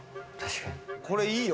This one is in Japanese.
これいいよ。